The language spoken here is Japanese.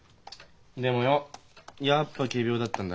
でもよやっぱ仮病だったんだな。